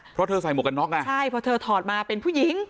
เพราะเธอใส่หมวกกันใช่เพราะเธอถอดมามีผู้หญิง